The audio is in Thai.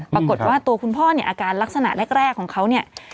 ปรากฏว่าตัวคุณพ่อเนี่ยอาการลักษณะแรกของเขาเนี่ย